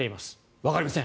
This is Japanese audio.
わかりません。